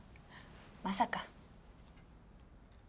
まさか。